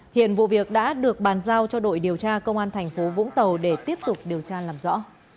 hiện vụ việc đã được bàn giao cho đội điều tra công an thành phố vũng tàu để tiếp tục điều tra làm rõ